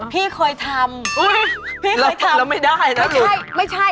พี่เคยทำ